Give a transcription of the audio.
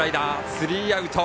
スリーアウト。